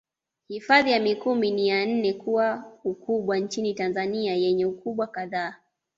Hifadhi ya Mikumi ni ya nne kwa ukubwa nchini Tanzania yenye ukubwa kadhaa